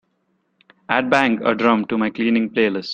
add bang a drum to my cleaning playlist